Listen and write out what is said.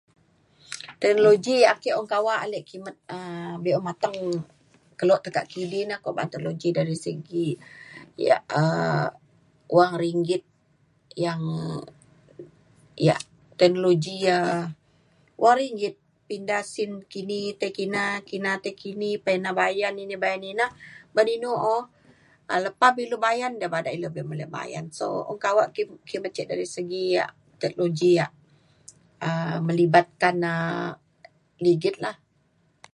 teknologi ya' ake un kawak alik kimet um be'un mateng keluk teka kidi ne ko' ba'an teknologi dari segi ya' um wang ringgit yang um ya' teknologi ya wang ringgit pinda sin kini tai kina, kina tai kini pena bayan ina bayan ina ban inu o, um lepa pilu bayan da badak ilu be'un bayan so kawak ke' ce' kimet dari segi teknologi ya' um melibatkan um ligit la.